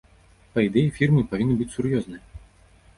Па ідэі, фірмы павінны быць сур'ёзныя.